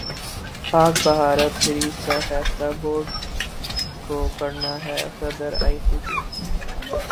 پاک بھارت سیریز کا فیصلہ بورڈ زکو کرنا ہےصدر ائی سی سی